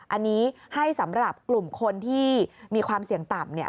อันนี้ให้สำหรับกลุ่มคนที่มีความเสี่ยงต่ำเนี่ย